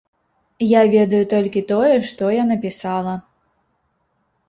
Я ведаю толькі тое, што я напісала.